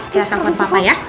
kita telepon papa ya